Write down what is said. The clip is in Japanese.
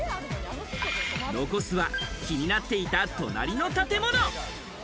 残すは気になっていた隣の建物。